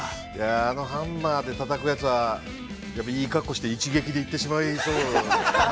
◆あのハンマーでたたくやつは、やっぱりいいかっこして、一撃でいってしまいそう。